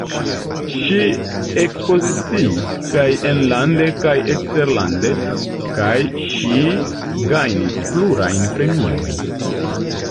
Ŝi ekspoziciis kaj enlande kaj eksterlande, kaj ŝi gajnis plurajn premiojn.